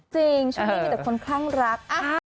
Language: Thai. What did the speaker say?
จริงฉันไม่มีแต่คนข้างรัก